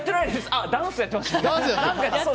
あ、ダンスやってました。